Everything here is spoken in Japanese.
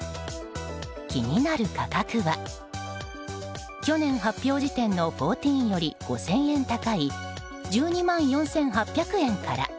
気になる価格は去年発表時点の１４より５０００円高い１２万４８００円から。